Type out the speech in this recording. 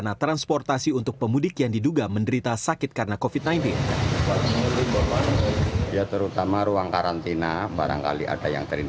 nah transportasi untuk pemudik yang diduga menderita sakit karena covid sembilan belas